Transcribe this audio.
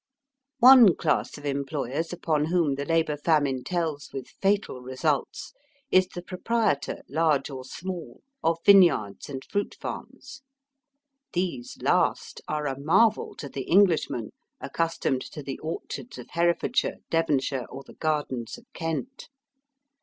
One class of employers upon whom the labour famine tells with fatal results is the proprietor, large or small, of vineyards and fruit farms. These last are a marvel to the Englishman accustomed to the orchards of Herefordshire, Devonshire, or the gardens of Kent.